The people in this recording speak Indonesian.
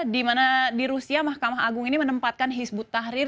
di mana di rusia mahkamah agung ini menempatkan hizbut tahrir